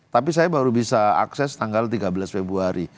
tapi saya baru bisa akses tanggal tiga belas februari